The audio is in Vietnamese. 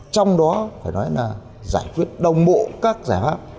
trong đó phải nói là giải quyết đồng bộ các giải pháp